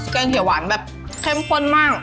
งเขียวหวานแบบเข้มข้นมาก